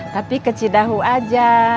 tapi ke cidahu aja